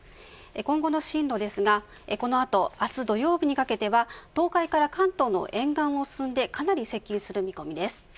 今後の進路ですがこの後、明日土曜日にかけては東海から関東の沿岸を進んでかなり接近する見込みです。